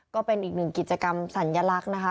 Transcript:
ก็เป็นอีกหนึ่งกิจกรรมสัญลักษณ์นะคะ